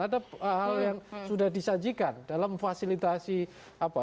ada hal yang sudah disajikan dalam fasilitasi apa